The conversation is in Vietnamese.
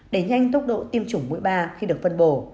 đẩy nhanh tốc độ tiêm chủng mũi ba khi được phân bổ